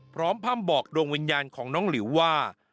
พร่ำบอกดวงวิญญาณของน้องหลิวว่า